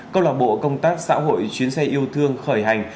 công tác xã hội chuyến xe yêu thương khởi hành